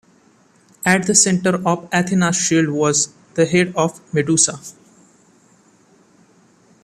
At the center of Athena's shield was the head of Medusa.